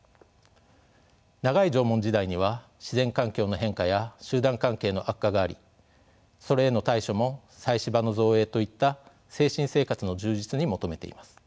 長い縄文時代には自然環境の変化や集団関係の悪化がありそれへの対処も祭祀場の造営といった精神生活の充実に求めています。